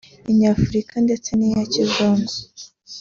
inyafurika ndetse n’iya kizungu